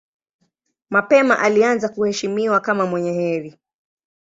Mapema alianza kuheshimiwa kama mwenye heri.